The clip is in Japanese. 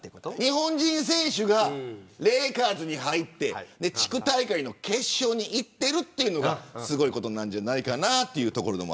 日本人選手がレイカーズに入って地区大会の決勝にいっているというのがすごいことなんじゃないかなと。